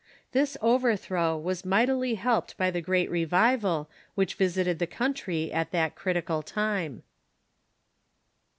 This overthrow was mightily helped by the great revival which visited the country at that critical time.